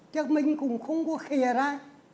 chắc mình cũng không có khề ra